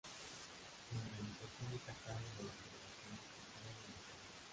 Su organización está a cargo de la Federación de Fútbol de Montenegro.